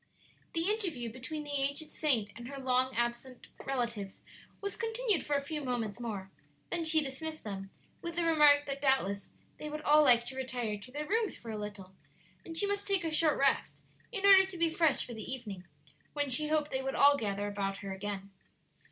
The interview between the aged saint and her long absent relatives was continued for a few moments more; then she dismissed them, with the remark that doubtless they would all like to retire to their rooms for a little, and she must take a short rest in order to be fresh for the evening, when she hoped they would all gather about her again.